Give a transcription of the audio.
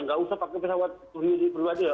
tidak usah pakai pesawat pribadi